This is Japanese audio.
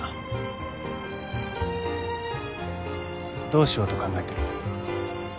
どうしようと考えてる？